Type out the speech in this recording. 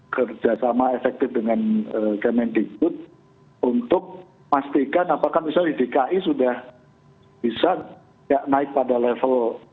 kerjasama efektif dengan kemendik putri untuk pastikan apakah misalnya di dki sudah bisa naik pada level empat